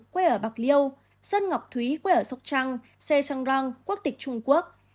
quê ở bạc liêu sơn ngọc thúy quê ở sóc trăng xe trăng răng quốc tịch trung quốc